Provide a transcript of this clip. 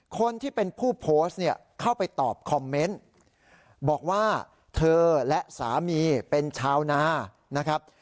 คนที่เป็นผู้โพสต์เนี่ยเข้าไปตอบคอมเมนต์บอกว่าเธอและสามีเป็นชาวนานะครับ